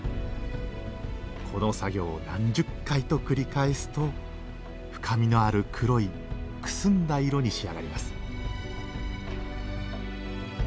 この作業を何十回と繰り返すと深みのある黒いくすんだ色に仕上がります